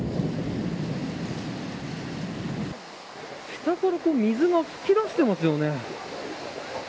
下から水が噴き出してますよね。